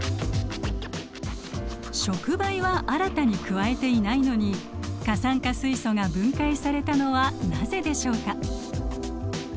触媒は新たに加えていないのに過酸化水素が分解されたのはなぜでしょうか？